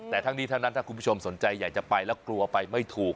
แต่ทั้งนี้ทั้งนั้นถ้าคุณผู้ชมสนใจอยากจะไปแล้วกลัวไปไม่ถูก